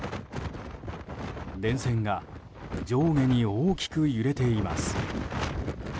電線が上下に大きく揺れています。